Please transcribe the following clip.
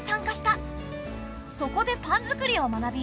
そこでパン作りを学び